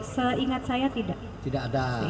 seingat saya tidak